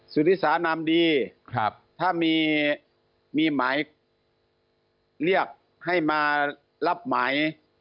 สุฤษานามดีครับถ้ามีมีหมายเรียกให้มารับหมาย